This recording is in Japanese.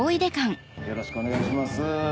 よろしくお願いします。